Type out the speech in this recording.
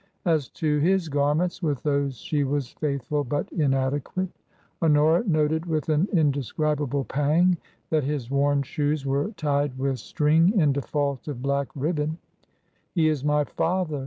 As to his garments, with those she was faithful but inadequate. Honora noted with an indescribable pang that his worn shoes were tied with string in default of black ribbon. " He is my father